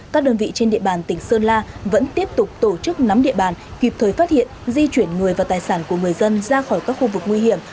các đơn vị trên địa bàn tỉnh sơn la vẫn tiếp tục tổ chức nắm địa bàn kịp thời phát hiện di chuyển người và tài sản của người dân ra khỏi các khu vực nguy hiểm